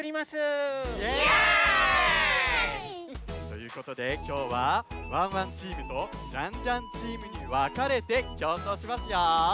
イエーイ！ということできょうはワンワンチームとジャンジャンチームにわかれてきょうそうしますよ！